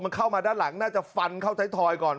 มันเข้ามาด้านหลังน่าจะฟันเข้าไทยทอยก่อน